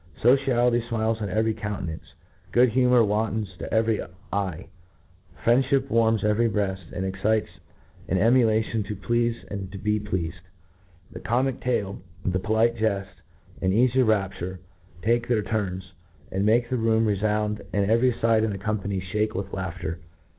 iSociality fmiles on every countenance— — ^good humour wantons in every eye— — friendfhip warms every breaft, and excites an emulation to pleafe and to be pleafcd. The comic tak, the polite jeft, the eafy rapture, take their turns, and make the room refound^ and every fide in the company fhake with laughter.